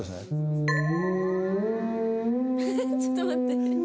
ちょっと待って。